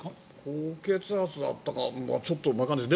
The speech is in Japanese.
高血圧だったかちょっとわからないです。